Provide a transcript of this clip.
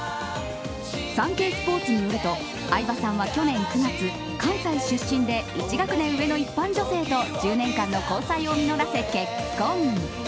サンケイスポーツによると相葉さんは、去年９月関西出身で１学年上の一般女性と１０年間の交際を実らせ結婚。